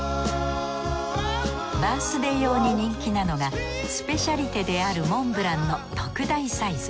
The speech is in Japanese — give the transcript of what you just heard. バースデー用に人気なのがスペシャリテであるモンブランの特大サイズ。